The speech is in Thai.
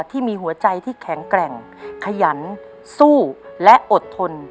ที่มีหัวใจที่แข็งแกร่งขยันสู้และอดทน